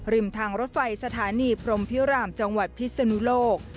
ริมทางรถไฟสถานีพรมพิรามจังหวัดพิศนุโลก